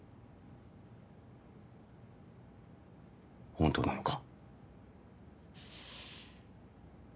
本当なのか？